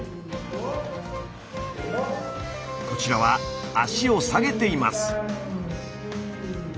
こちらは脚を下げています。